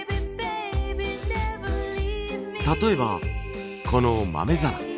例えばこの豆皿。